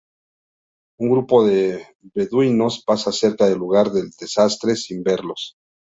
Un grupo de beduinos pasa cerca del lugar del desastre, sin verlos.